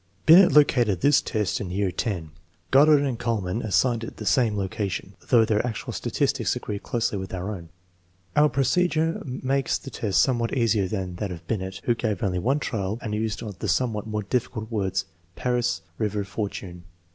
Binet located this test in year X* Goddard and Kuhl mann assign it the same location, though their actual statis tics agree closely with our own. Our procedure makes the test somewhat easier than that of Binet, who gave only one trial and used the somewhat more difficult words Paris, river 9 fortune.